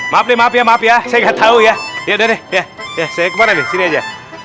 maaf nih maaf ya maaf ya saya nggak tahu ya yaudah deh ya saya kemana nih sini aja